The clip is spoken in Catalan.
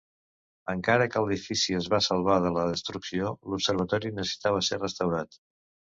Encara que l'edifici es va salvar de la destrucció, l'Observatori necessitava ser restaurat.